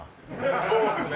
そうですね。